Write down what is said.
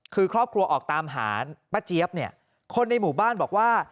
คือครอบครัวออกตามหาป้าเจี๊ยบเนี่ยคนในหมู่บ้านบอกว่า